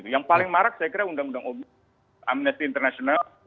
yang paling marak saya kira undang undang amnesti internasional